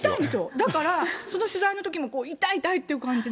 だからその取材のときも、痛い、痛いっていう感じで。